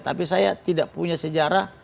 tapi saya tidak punya sejarah